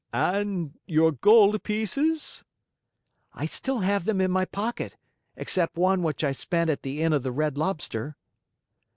"And your gold pieces?" "I still have them in my pocket, except one which I spent at the Inn of the Red Lobster."